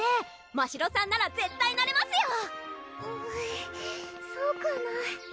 ましろさんなら絶対なれますよそうかな？